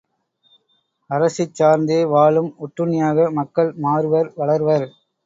அரசைச் சார்ந்தே வாழும் ஒட்டுண்ணியாக மக்கள் மாறுவர் வளர்வர்.